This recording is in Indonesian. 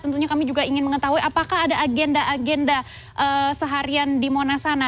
tentunya kami juga ingin mengetahui apakah ada agenda agenda seharian di monas sana